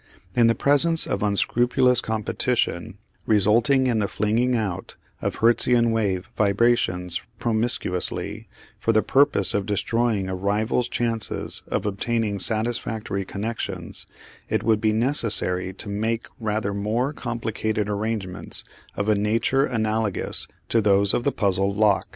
In the presence of unscrupulous competition, resulting in the flinging out of Hertzian wave vibrations promiscuously, for the purpose of destroying a rival's chances of obtaining satisfactory connections, it would be necessary to make rather more complicated arrangements of a nature analogous to those of the puzzle lock.